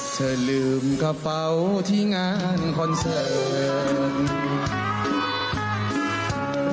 เธอลืมกระเป๋าที่งานคอนเสิร์ต